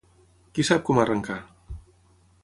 Qui sap com arrencar?